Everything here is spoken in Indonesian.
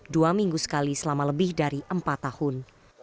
dua minggu sekali selama lebih dari empat tahun